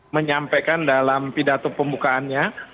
menyampaikan dalam pidato pembukaannya